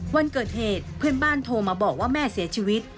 วันเกิดเหตุเพื่อนบ้านโทรมาบอกว่าแม่เสียชีวิต